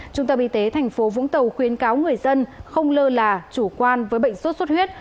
trung tâm y tế tp vũng tàu khuyến cáo người dân không lơ là chủ quan với bệnh sốt xuất huyết